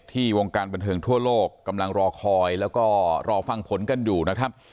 วงการบันเทิงทั่วโลกกำลังรอคอยแล้วก็รอฟังผลกันอยู่นะครับ